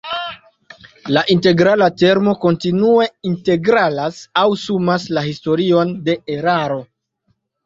La integrala termo kontinue integralas aŭ sumas la historion de eraro.